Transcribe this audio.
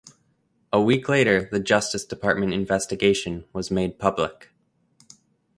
A week later the Justice Department investigation was made public.